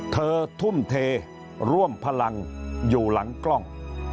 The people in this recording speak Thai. ทุ่มเทร่วมพลังอยู่หลังกล้อง